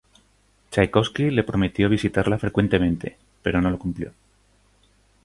Chaikovski le prometió visitarla frecuentemente, pero no lo cumplió.